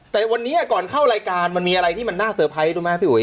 แต่วันนี้ก่อนเข้ารายการมันมีอะไรที่มันน่าเซอร์ไพรส์รู้ไหมพี่อุ๋